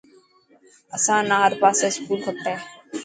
اسان نا هر پاسي اسڪول کپي.